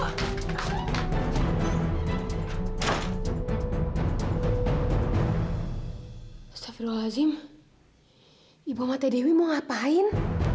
astagfirullahaladzim ibu mata dewi mau ngapain